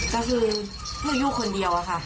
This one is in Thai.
ก็คือหนูอยู่คนเดียวอะค่ะ